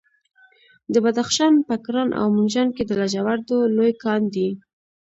د بدخشان په کران او منجان کې د لاجوردو لوی کان دی.